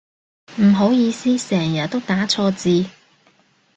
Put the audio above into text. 唔好意思成日都打錯字